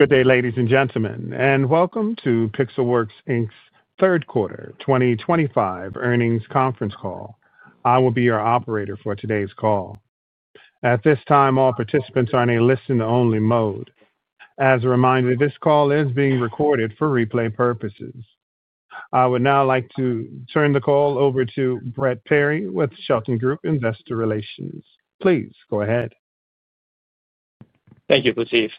Good day, ladies and gentlemen, and welcome to Pixelworks' third quarter 2025 earnings conference call. I will be your operator for today's call. At this time, all participants are in a listen-only mode. As a reminder, this call is being recorded for replay purposes. I would now like to turn the call over to Brett Perry with Shelton Group Investor Relations. Please go ahead. Thank you, Latif.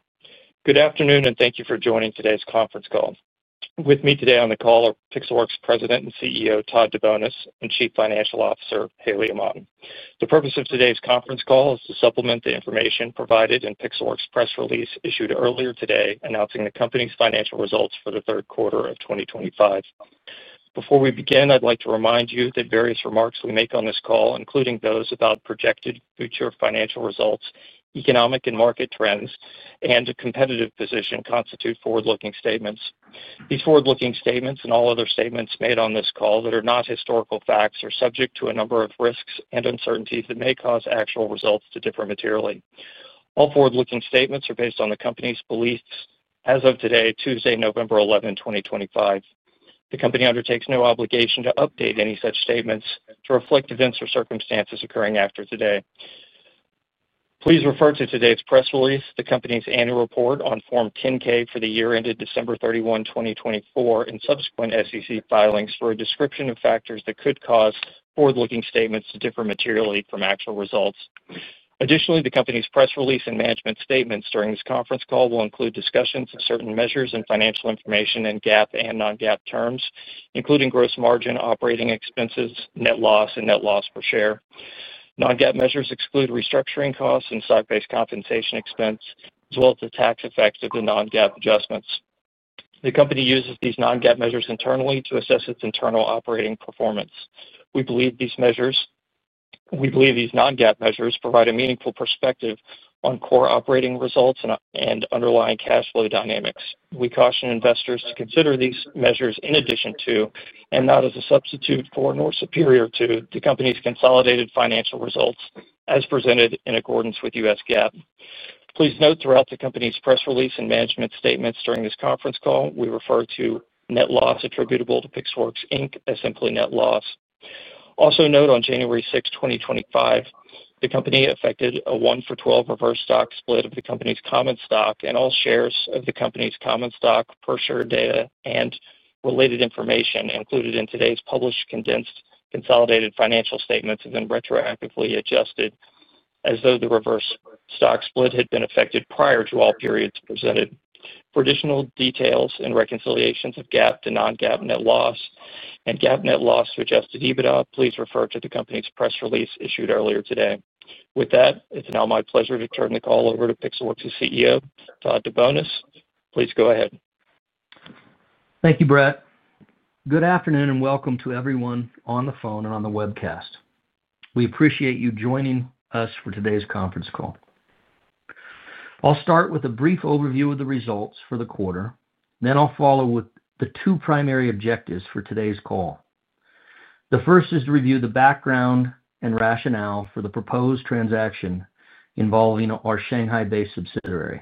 Good afternoon, and thank you for joining today's conference call. With me today on the call are Pixelworks President and CEO Todd DeBonis and Chief Financial Officer Haley Aman. The purpose of today's conference call is to supplement the information provided in Pixelworks' press release issued earlier today announcing the company's financial results for the third quarter of 2025. Before we begin, I'd like to remind you that various remarks we make on this call, including those about projected future financial results, economic and market trends, and a competitive position, constitute forward-looking statements. These forward-looking statements and all other statements made on this call that are not historical facts are subject to a number of risks and uncertainties that may cause actual results to differ materially. All forward-looking statements are based on the company's beliefs as of today, Tuesday, November 11, 2025. The company undertakes no obligation to update any such statements to reflect events or circumstances occurring after today. Please refer to today's press release, the company's annual report on Form 10-K for the year ended December 31, 2024, and subsequent SEC filings for a description of factors that could cause forward-looking statements to differ materially from actual results. Additionally, the company's press release and management statements during this conference call will include discussions of certain measures and financial information in GAAP and non-GAAP terms, including gross margin, operating expenses, net loss, and net loss per share. Non-GAAP measures exclude restructuring costs and stock-based compensation expense, as well as the tax effect of the non-GAAP adjustments. The company uses these non-GAAP measures internally to assess its internal operating performance. We believe these non-GAAP measures provide a meaningful perspective on core operating results and underlying cash flow dynamics. We caution investors to consider these measures in addition to, and not as a substitute for, nor superior to, the company's consolidated financial results as presented in accordance with U.S. GAAP. Please note throughout the company's press release and management statements during this conference call, we refer to net loss attributable to Pixelworks as simply net loss. Also note, on January 6th, 2025, the company effected a 1-for-12 reverse stock split of the company's common stock and all shares of the company's common stock per share data and related information included in today's published condensed consolidated financial statements have been retroactively adjusted as though the reverse stock split had been effected prior to all periods presented. For additional details and reconciliations of GAAP to non-GAAP net loss and GAAP net loss to Adjusted EBITDA, please refer to the company's press release issued earlier today. With that, it's now my pleasure to turn the call over to Pixelworks' CEO, Todd DeBonis. Please go ahead. Thank you, Brett. Good afternoon and welcome to everyone on the phone and on the webcast. We appreciate you joining us for today's conference call. I'll start with a brief overview of the results for the quarter, then I'll follow with the two primary objectives for today's call. The first is to review the background and rationale for the proposed transaction involving our Shanghai-based subsidiary.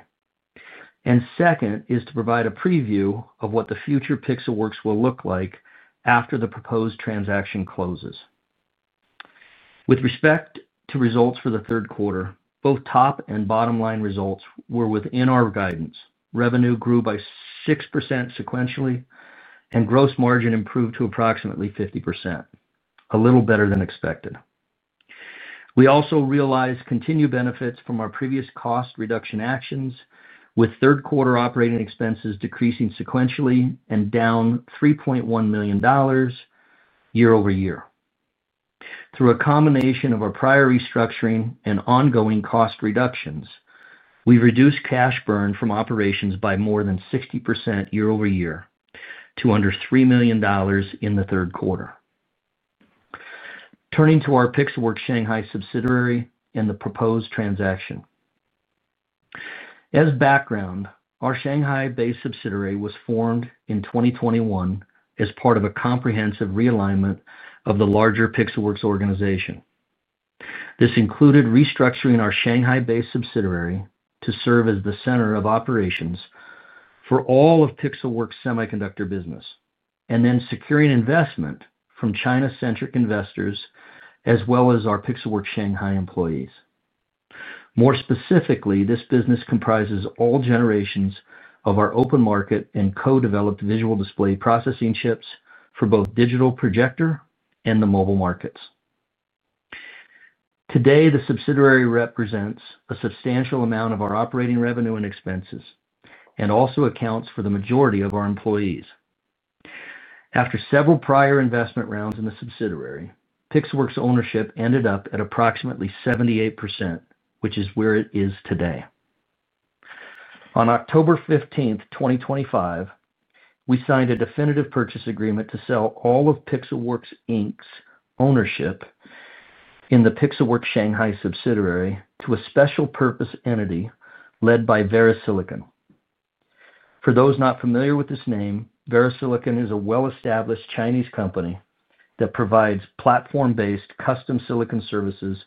The second is to provide a preview of what the future Pixelworks will look like after the proposed transaction closes. With respect to results for the third quarter, both top and bottom line results were within our guidance. Revenue grew by 6% sequentially, and gross margin improved to approximately 50%, a little better than expected. We also realized continued benefits from our previous cost reduction actions, with third quarter operating expenses decreasing sequentially and down $3.1 million year-over-year. Through a combination of our prior restructuring and ongoing cost reductions, we reduced cash burn from operations by more than 60% year-over-year to under $3 million in the third quarter. Turning to our Pixelworks Shanghai subsidiary and the proposed transaction. As background, our Shanghai-based subsidiary was formed in 2021 as part of a comprehensive realignment of the larger Pixelworks organization. This included restructuring our Shanghai-based subsidiary to serve as the center of operations for all of Pixelworks' semiconductor business, and then securing investment from China-centric investors as well as our Pixelworks Shanghai employees. More specifically, this business comprises all generations of our open market and co-developed visual display processing chips for both digital projector and the mobile markets. Today, the subsidiary represents a substantial amount of our operating revenue and expenses and also accounts for the majority of our employees. After several prior investment rounds in the subsidiary, Pixelworks' ownership ended up at approximately 78%, which is where it is today. On October 15th, 2025, we signed a definitive purchase agreement to sell all of Pixelworks Inc's ownership in the Pixelworks Shanghai subsidiary to a special purpose entity led by VeriSilicon. For those not familiar with this name, VeriSilicon is a well-established Chinese company that provides platform-based custom silicon services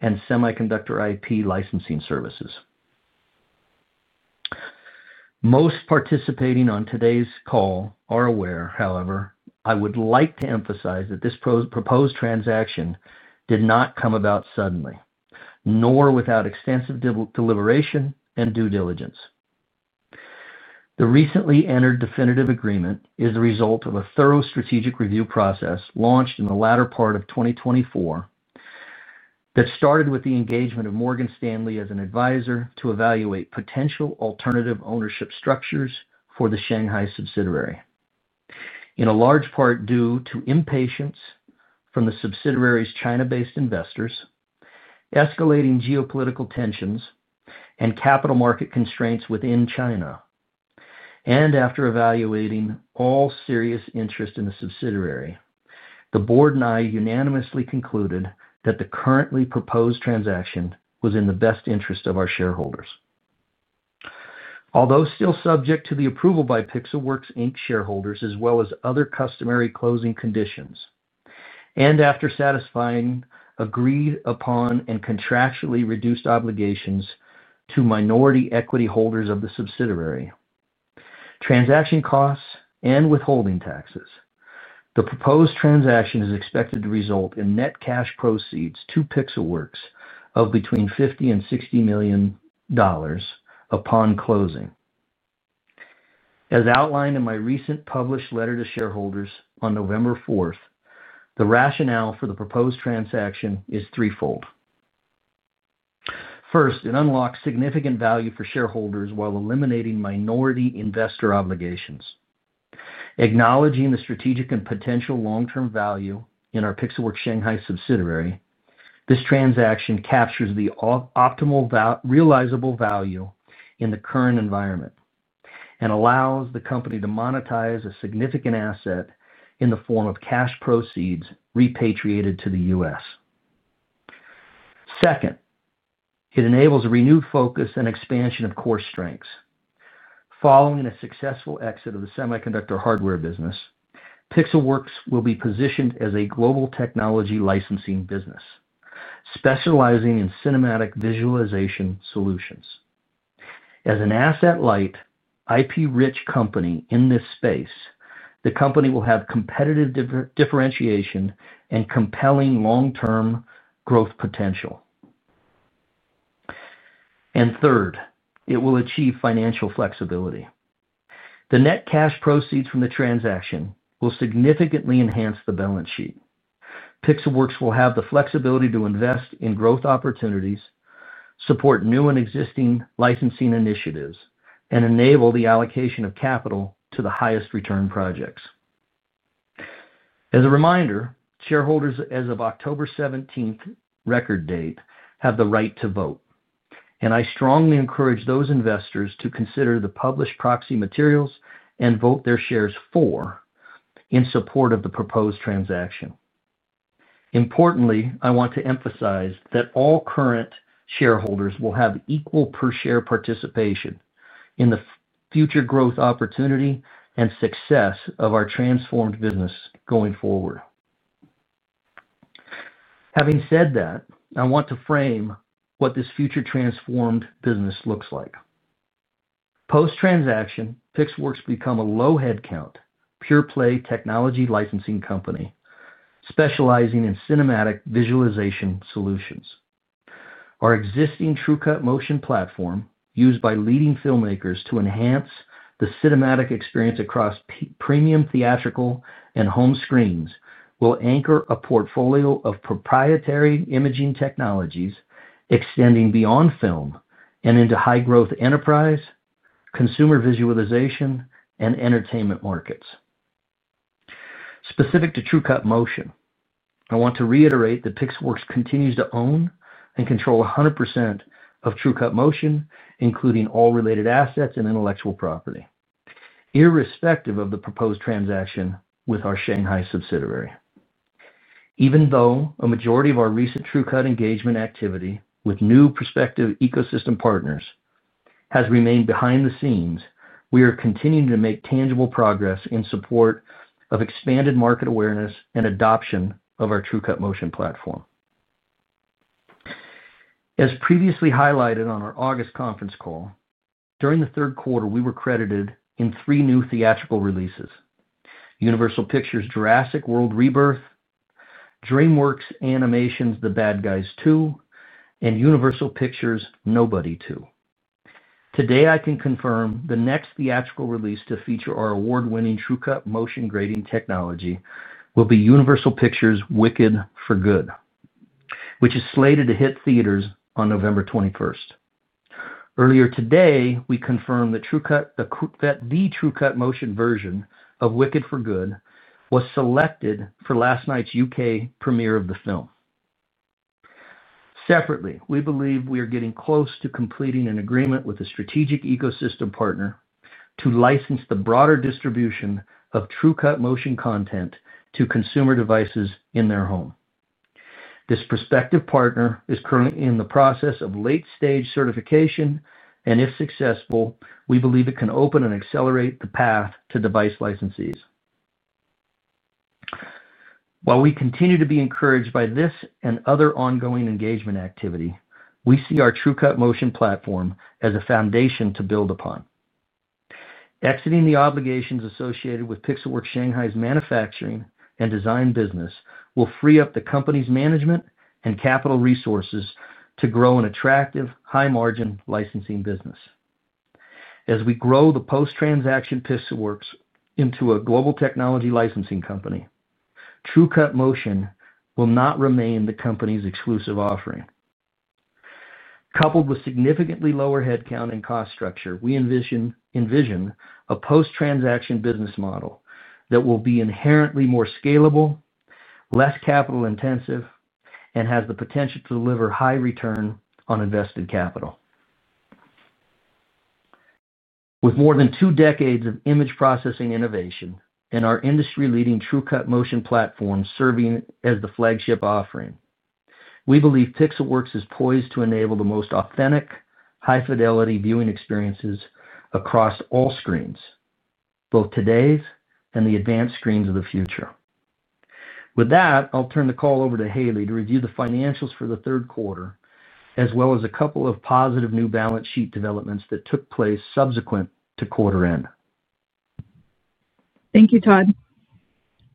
and semiconductor IP licensing services. Most participating on today's call are aware, however, I would like to emphasize that this proposed transaction did not come about suddenly, nor without extensive deliberation and due diligence. The recently entered definitive agreement is the result of a thorough strategic review process launched in the latter part of 2024 that started with the engagement of Morgan Stanley as an advisor to evaluate potential alternative ownership structures for the Shanghai subsidiary, in a large part due to impatience from the subsidiary's China-based investors, escalating geopolitical tensions, and capital market constraints within China. After evaluating all serious interest in the subsidiary, the board and I unanimously concluded that the currently proposed transaction was in the best interest of our shareholders. Although still subject to the approval by Pixelworks shareholders as well as other customary closing conditions, and after satisfying agreed-upon and contractually reduced obligations to minority equity holders of the subsidiary, transaction costs, and withholding taxes, the proposed transaction is expected to result in net cash proceeds to Pixelworks of between $50 million and $60 million upon closing. As outlined in my recent published letter to shareholders on November 4th, the rationale for the proposed transaction is threefold. First, it unlocks significant value for shareholders while eliminating minority investor obligations. Acknowledging the strategic and potential long-term value in our Pixelworks Shanghai subsidiary, this transaction captures the optimal realizable value in the current environment and allows the company to monetize a significant asset in the form of cash proceeds repatriated to the U.S. Second, it enables a renewed focus and expansion of core strengths. Following a successful exit of the semiconductor hardware business, Pixelworks will be positioned as a global technology licensing business, specializing in cinematic visualization solutions. As an asset-light, IP-rich company in this space, the company will have competitive differentiation and compelling long-term growth potential. Third, it will achieve financial flexibility. The net cash proceeds from the transaction will significantly enhance the balance sheet. Pixelworks will have the flexibility to invest in growth opportunities, support new and existing licensing initiatives, and enable the allocation of capital to the highest return projects. As a reminder, shareholders as of October 17th record date have the right to vote, and I strongly encourage those investors to consider the published proxy materials and vote their shares for in support of the proposed transaction. Importantly, I want to emphasize that all current shareholders will have equal per-share participation in the future growth opportunity and success of our transformed business going forward. Having said that, I want to frame what this future transformed business looks like. Post-transaction, Pixelworks becomes a low-headcount pure-play technology licensing company specializing in cinematic visualization solutions. Our existing TrueCut Motion platform, used by leading filmmakers to enhance the cinematic experience across premium theatrical and home screens, will anchor a portfolio of proprietary imaging technologies extending beyond film and into high-growth enterprise, consumer visualization, and entertainment markets. Specific to TrueCut Motion, I want to reiterate that Pixelworks continues to own and control 100% of TrueCut Motion, including all related assets and intellectual property, irrespective of the proposed transaction with our Shanghai subsidiary. Even though a majority of our recent TrueCut engagement activity with new prospective ecosystem partners has remained behind the scenes, we are continuing to make tangible progress in support of expanded market awareness and adoption of our TrueCut Motion platform. As previously highlighted on our August conference call, during the third quarter, we were credited in three new theatrical releases: Universal Pictures' Jurassic World: Rebirth, DreamWorks Animation's The Bad Guys 2, and Universal Pictures' Nobody 2. Today, I can confirm the next theatrical release to feature our award-winning TrueCut Motion grading technology will be Universal Pictures' Wicked For Good, which is slated to hit theaters on November 21st. Earlier today, we confirmed that the TrueCut Motion version of Wicked For Good was selected for last night's U.K. premiere of the film. Separately, we believe we are getting close to completing an agreement with a strategic ecosystem partner to license the broader distribution of TrueCut Motion content to consumer devices in their home. This prospective partner is currently in the process of late-stage certification, and if successful, we believe it can open and accelerate the path to device licensees. While we continue to be encouraged by this and other ongoing engagement activity, we see our TrueCut Motion platform as a foundation to build upon. Exiting the obligations associated with Pixelworks Shanghai's manufacturing and design business will free up the company's management and capital resources to grow an attractive, high-margin licensing business. As we grow the post-transaction Pixelworks into a global technology licensing company, TrueCut Motion will not remain the company's exclusive offering. Coupled with significantly lower headcount and cost structure, we envision a post-transaction business model that will be inherently more scalable, less capital-intensive, and has the potential to deliver high return on invested capital. With more than two decades of image processing innovation and our industry-leading TrueCut Motion platform serving as the flagship offering, we believe Pixelworks is poised to enable the most authentic, high-fidelity viewing experiences across all screens, both today's and the advanced screens of the future. With that, I'll turn the call over to Haley to review the financials for the third quarter, as well as a couple of positive new balance sheet developments that took place subsequent to quarter-end. Thank you, Todd.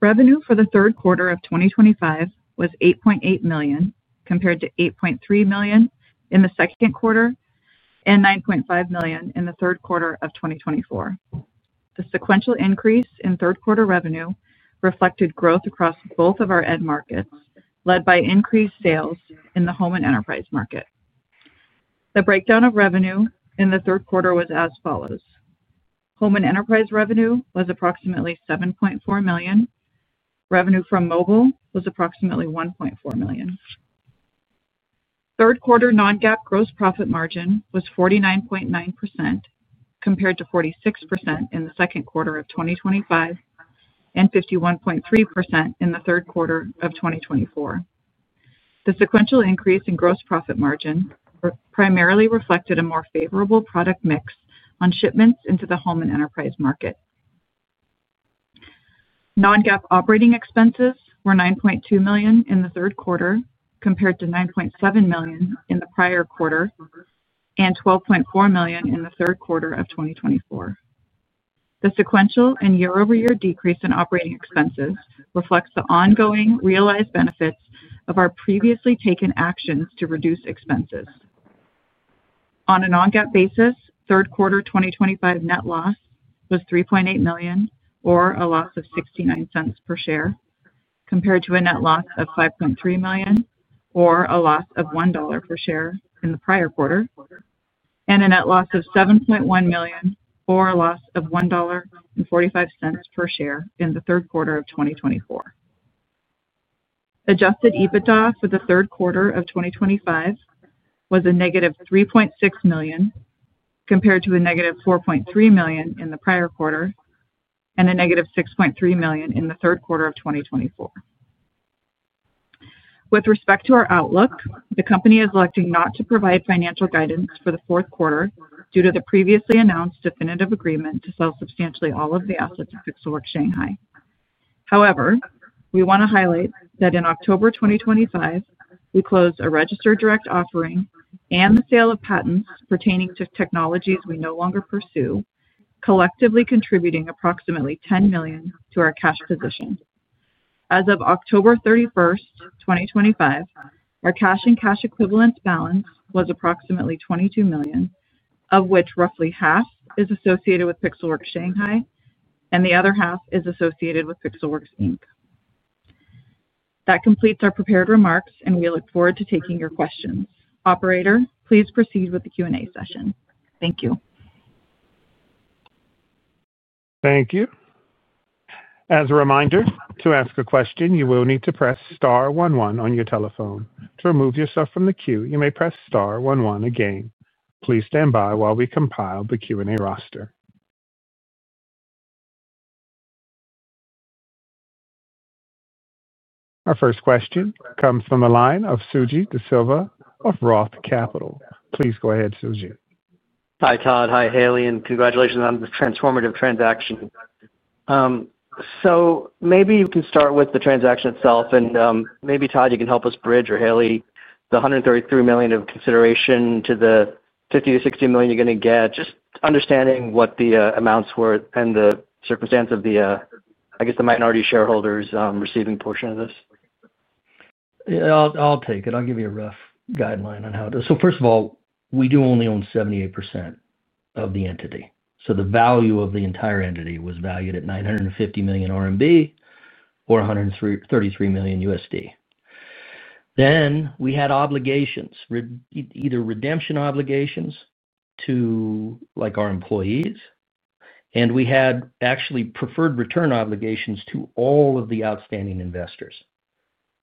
Revenue for the third quarter of 2025 was $8.8 million, compared to $8.3 million in the second quarter and $9.5 million in the third quarter of 2024. The sequential increase in third-quarter revenue reflected growth across both of our end markets, led by increased sales in the home and enterprise market. The breakdown of revenue in the third quarter was as follows. Home and enterprise revenue was approximately $7.4 million. Revenue from mobile was approximately $1.4 million. Third-quarter non-GAAP gross profit margin was 49.9%, compared to 46% in the second quarter of 2025 and 51.3% in the third quarter of 2024. The sequential increase in gross profit margin primarily reflected a more favorable product mix on shipments into the home and enterprise market. Non-GAAP operating expenses were $9.2 million in the third quarter, compared to $9.7 million in the prior quarter and $12.4 million in the third quarter of 2024. The sequential and year-over-year decrease in operating expenses reflects the ongoing realized benefits of our previously taken actions to reduce expenses. On a non-GAAP basis, third-quarter 2025 net loss was $3.8 million, or a loss of $0.69 per share, compared to a net loss of $5.3 million, or a loss of $1 per share in the prior quarter, and a net loss of $7.1 million, or a loss of $1.45 per share in the third quarter of 2024. Adjusted EBITDA for the third quarter of 2025 was a -$3.6 million, compared to a -$4.3 million in the prior quarter and a -$6.3 million in the third quarter of 2024. With respect to our outlook, the company is electing not to provide financial guidance for the fourth quarter due to the previously announced definitive agreement to sell substantially all of the assets of Pixelworks Shanghai. However, we want to highlight that in October 2025, we closed a registered direct offering and the sale of patents pertaining to technologies we no longer pursue, collectively contributing approximately $10 million to our cash position. As of October 31st, 2025, our cash and cash equivalents balance was approximately $22 million, of which roughly half is associated with Pixelworks Shanghai, and the other half is associated with Pixelworks. That completes our prepared remarks, and we look forward to taking your questions. Operator, please proceed with the Q&A session. Thank you. Thank you. As a reminder, to ask a question, you will need to press star one one on your telephone. To remove yourself from the queue, you may press star one one again. Please stand by while we compile the Q&A roster. Our first question comes from the line of Suji DeSilva of ROTH Capital. Please go ahead, Suji. Hi, Todd. Hi, Haley. Congratulations on the transformative transaction. Maybe we can start with the transaction itself. Maybe, Todd, you can help us bridge or Haley the $133 million of consideration to the $50 million-$60 million you're going to get, just understanding what the amounts were and the circumstance of the, I guess, the minority shareholders receiving portion of this. Yeah, I'll take it. I'll give you a rough guideline on how it is. First of all, we do only own 78% of the entity. The value of the entire entity was valued at 950 million RMB or $133 million. We had obligations, either redemption obligations to our employees, and we had actually preferred return obligations to all of the outstanding investors.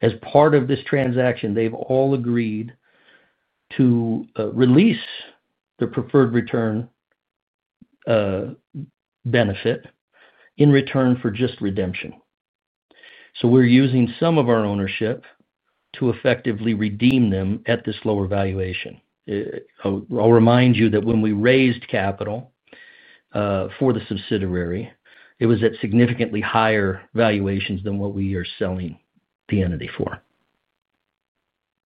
As part of this transaction, they've all agreed to release their preferred return benefit in return for just redemption. We're using some of our ownership to effectively redeem them at this lower valuation. I'll remind you that when we raised capital for the subsidiary, it was at significantly higher valuations than what we are selling the entity for.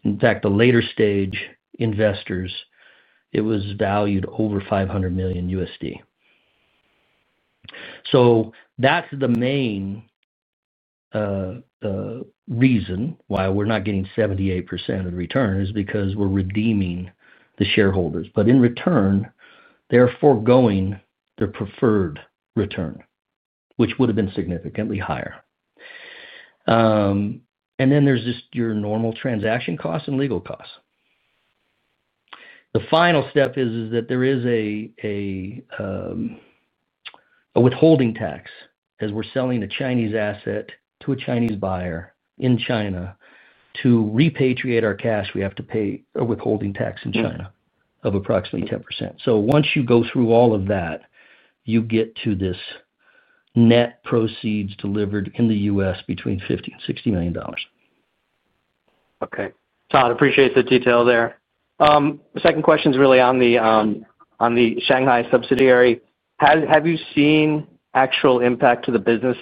In fact, the later-stage investors, it was valued over $500 million. That's the main reason why we're not getting 78% of the return is because we're redeeming the shareholders. In return, they're foregoing their preferred return, which would have been significantly higher. Then there's just your normal transaction costs and legal costs. The final step is that there is a withholding tax. As we're selling a Chinese asset to a Chinese buyer in China to repatriate our cash, we have to pay a withholding tax in China of approximately 10%. Once you go through all of that, you get to this net proceeds delivered in the U.S. between $50 million and $60 million. Okay. Todd, appreciate the detail there. Second question is really on the Shanghai subsidiary. Have you seen actual impact to the business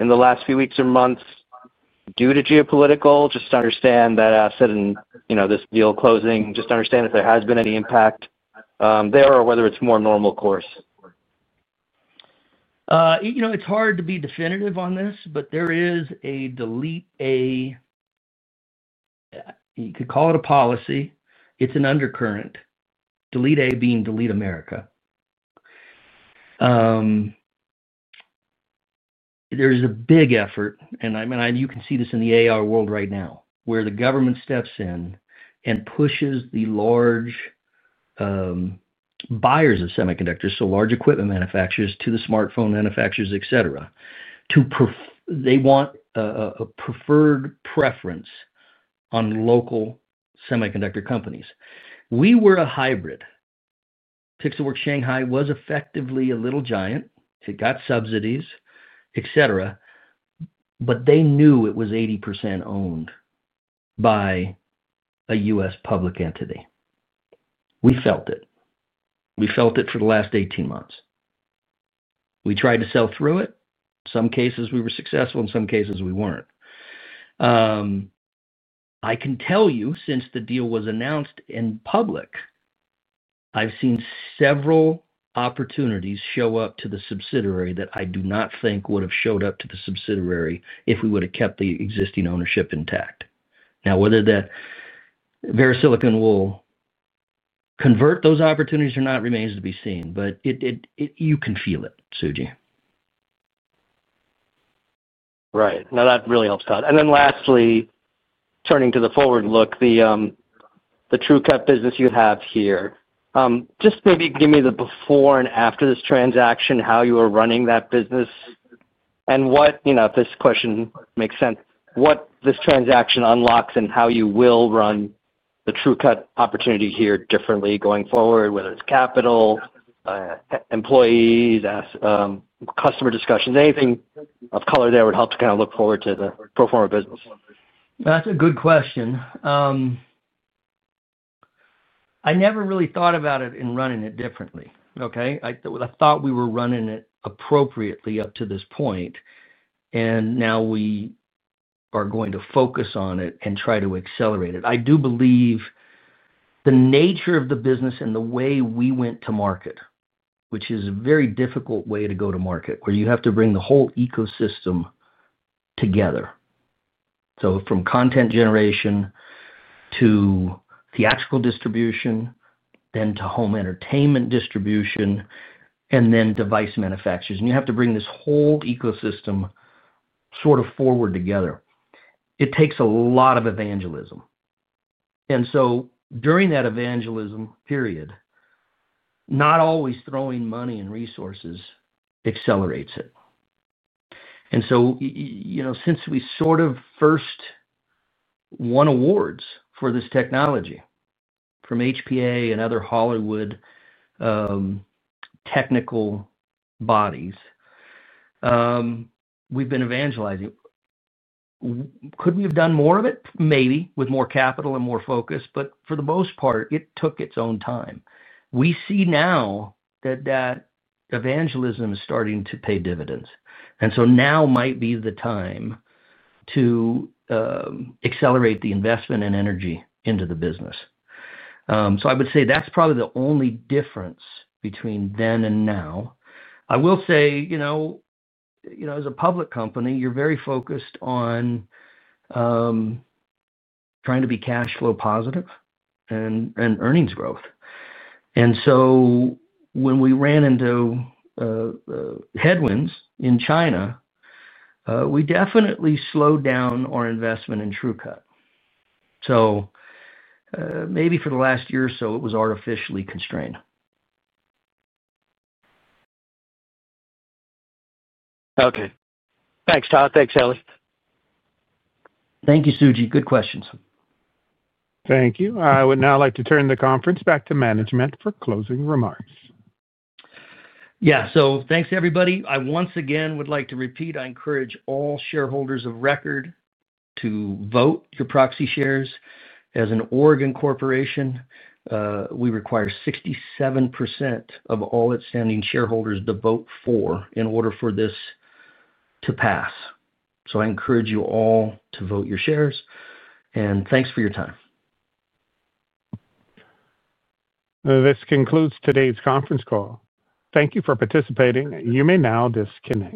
in the last few weeks or months due to geopolitical? Just to understand that, as said in this deal closing, just to understand if there has been any impact there or whether it's more normal course. It's hard to be definitive on this, but there is a delete A, you could call it a policy. It's an undercurrent, delete A being delete America. There's a big effort, and you can see this in the AR world right now, where the government steps in and pushes the large buyers of semiconductors, so large equipment manufacturers, to the smartphone manufacturers, etc. They want a preferred preference on local semiconductor companies. We were a hybrid. Pixelworks Shanghai was effectively a little giant. It got subsidies, etc., but they knew it was 80% owned by a U.S. public entity. We felt it. We felt it for the last 18 months. We tried to sell through it. In some cases, we were successful. In some cases, we weren't. I can tell you, since the deal was announced in public, I've seen several opportunities show up to the subsidiary that I do not think would have showed up to the subsidiary if we would have kept the existing ownership intact. Now, whether that VeriSilicon will convert those opportunities or not remains to be seen, but you can feel it, Suji. Right. No, that really helps, Todd. Lastly, turning to the forward look, the TrueCut business you have here, just maybe give me the before and after this transaction, how you are running that business, and if this question makes sense, what this transaction unlocks and how you will run the TrueCut opportunity here differently going forward, whether it's capital, employees, customer discussions, anything of color there would help to kind of look forward to the pro forma business. That's a good question. I never really thought about it in running it differently, okay? I thought we were running it appropriately up to this point, and now we are going to focus on it and try to accelerate it. I do believe the nature of the business and the way we went to market, which is a very difficult way to go to market, where you have to bring the whole ecosystem together. From content generation to theatrical distribution, then to home entertainment distribution, and then device manufacturers. You have to bring this whole ecosystem sort of forward together. It takes a lot of evangelism. During that evangelism period, not always throwing money and resources accelerates it. Since we sort of first won awards for this technology from HPA and other Hollywood technical bodies, we've been evangelizing. Could we have done more of it? Maybe with more capital and more focus, but for the most part, it took its own time. We see now that that evangelism is starting to pay dividends. Now might be the time to accelerate the investment and energy into the business. I would say that's probably the only difference between then and now. I will say, as a public company, you're very focused on trying to be cash flow positive and earnings growth. When we ran into headwinds in China, we definitely slowed down our investment in TrueCut. Maybe for the last year or so, it was artificially constrained. Okay. Thanks, Todd. Thanks, Haley. Thank you, Suji. Good questions. Thank you. I would now like to turn the conference back to management for closing remarks. Yeah. Thanks, everybody. I once again would like to repeat, I encourage all shareholders of record to vote your proxy shares. As an Oregon corporation, we require 67% of all outstanding shareholders to vote for in order for this to pass. I encourage you all to vote your shares. Thanks for your time. This concludes today's conference call. Thank you for participating. You may now disconnect.